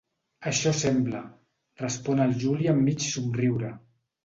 Això sembla —respon el Juli amb mig somriure.